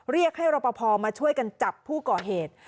เรียกให้รอปภมาช่วยกันจับผู้ก่อเหตุ